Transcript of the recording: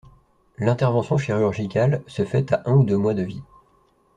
L'intervention chirurgicale se fait à un ou deux mois de vie.